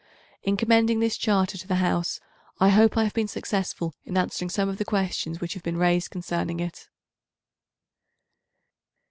In commending this Charter to the House, I hope I have been successful in answering some of the questions which have been raised concerning it.